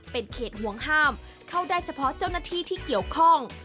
เป็นเขตห่วงห้ามเข้าได้เฉพาะเจ้าหน้าที่ที่เกี่ยวข้อง